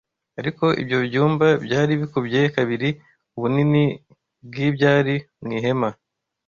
Ariko ibyo byumba byari bikubye kabiri ubunini bw’ibyari mu ihema